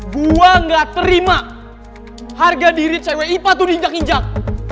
gua gak terima harga diri cewek ipa tuh dinggak injak